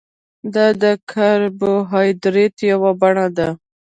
دا د کاربوهایډریټ یوه بڼه ده